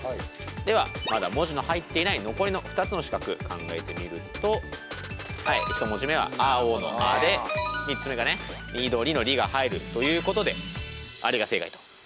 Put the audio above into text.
ではまだ文字の入っていない残りの２つの四角考えてみると一文字目は青の「あ」で３つ目がね緑の「り」が入るということで「あり」が正解と。